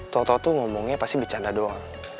toto tuh ngomongnya pasti bercanda doang